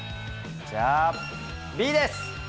じゃあ、Ｂです。